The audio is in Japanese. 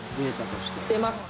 出ます。